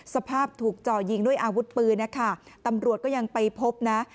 สภาพถูกจ่อยิงด้วยอาวุธปืนนะคะตำรวจก็ยังไปพบนะ